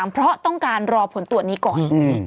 เพราะต้องการรอผลตรวจนี้ก่อน